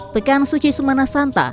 pekan suci semana santa